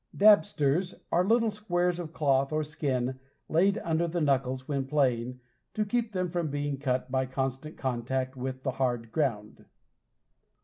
Dabsters are little squares of cloth or skin laid under the knuckles when playing to keep them from being cut by constant contact with the hard ground.